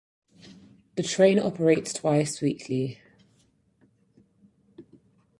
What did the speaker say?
The train operates twice weekly.